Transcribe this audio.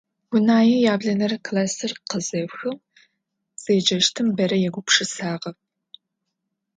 Унае яблэнэрэ классыр къызеухым, зэджэщтым бэрэ егупшысагъэп.